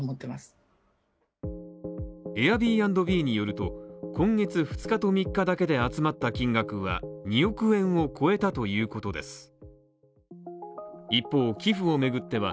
Ａｉｒｂｎｂによると、今月２日と３日だけで集まった金額は２億円を越えたということです。